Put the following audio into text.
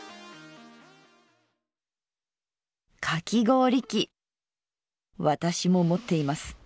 かき氷器私も持っています。